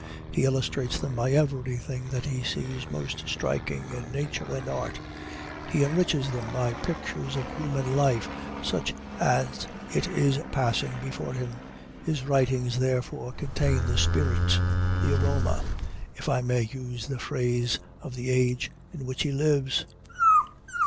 He illustrates them by everything that he sees most striking in nature and art. He enriches them by pictures of human life, such as it is passing before him. His writings, therefore, contain the spirit, the aroma, if I may use the phrase, of the age in which he lives.